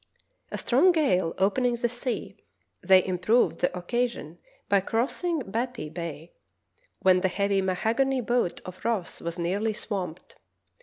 A strong gale opening the sea, they improved the oc casion by crossing Batty Bay, when the heavy mahog any boat of Ross was nearly swamped.